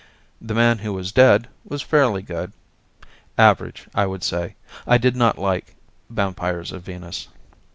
"The Man Who Was Dead" was fairly good; average, I would say. I did not like "Vampires of Venus."